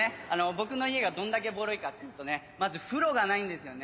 僕の家がどんだけボロいかっていうとねまず風呂がないんですよね。